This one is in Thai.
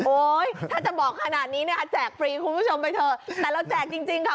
ถ้าจะบอกขนาดนี้เนี่ยแจกฟรีคุณผู้ชมไปเถอะแต่เราแจกจริงจริงค่ะ